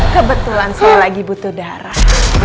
kebetulan saya lagi butuh darah